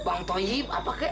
pang toh i apa kek